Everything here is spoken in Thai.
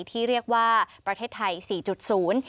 ที่เรียกว่าประเทศไทย๔๐